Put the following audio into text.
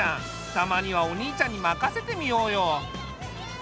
たまにはお兄ちゃんに任せてみようよ。